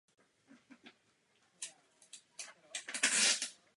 Jan Mikeš.